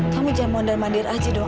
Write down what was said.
kamu jangan mondar mandir aja dong